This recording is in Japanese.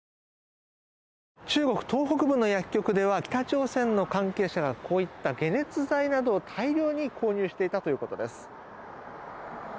中国東北部の薬局では北朝鮮の関係者がこういった解熱剤などを大量に購入していたということです。